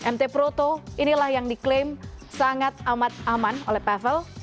mt proto inilah yang diklaim sangat amat aman oleh pavel